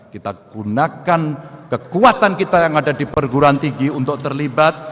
kita gunakan kekuatan kita yang ada di perguruan tinggi untuk terlibat